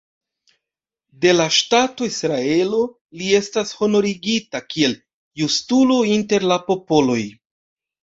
De la ŝtato Israelo li estas honorigita kiel "Justulo inter la popoloj".